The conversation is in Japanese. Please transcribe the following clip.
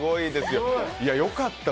よかった。